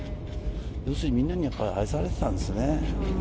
要するにみんなに愛されてたんですね。